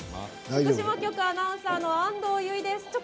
福島局アナウンサーの安藤結衣です。